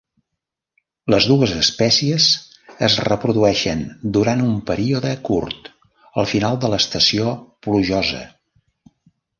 Les dues espècies es reprodueixen durant un període curt al final de l'estació plujosa.